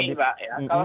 jadi ini soal pandemi pak